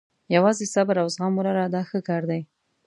یوازې صبر او زغم ولره دا ښه کار دی.